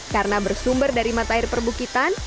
karena bersumber dari mata air perbukitan